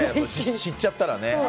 知っちゃったらね。